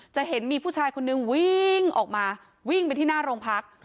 จะเห็นมีผู้ชายคนนึงวิ่งออกมาวิ่งไปที่หน้าโรงพัก